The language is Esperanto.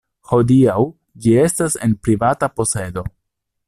Hodiaŭ ĝi estas en privata posedo.